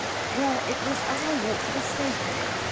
"Well, it was as I walked to the station.